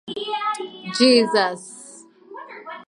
It included the satirical song "Life's Been Good".